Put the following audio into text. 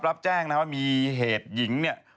รับแจ้งนะว่ามีเหตุหญิงเนี่ย